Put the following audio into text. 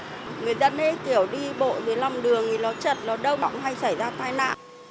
người dân hay kiểu đi bộ với lòng đường thì nó chật nó đông hay xảy ra tai nạn